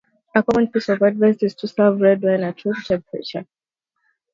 A common piece of advice is to serve red wine "at room temperature".